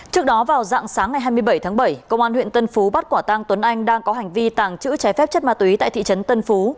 trước đó vào dạng sáng ngày hai mươi bảy tháng bảy công an huyện tân phú bắt quả tang tuấn anh đang có hành vi tàng trữ trái phép chất ma túy tại thị trấn tân phú